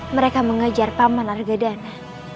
mereka mengejar paman harga dana